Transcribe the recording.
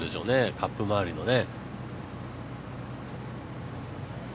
カップ周りのね。